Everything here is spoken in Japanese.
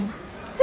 え！